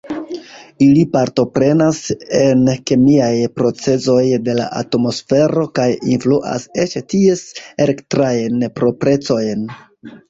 Ili partoprenas en kemiaj procezoj de la atmosfero kaj influas eĉ ties elektrajn proprecojn.